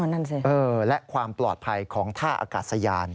นั่นสิและความปลอดภัยของท่าอากาศยาน